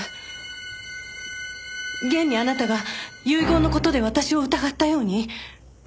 現にあなたが遺言の事で私を疑ったように。